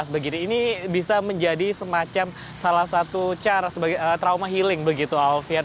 begini ini bisa menjadi semacam salah satu cara sebagai trauma healing begitu alfian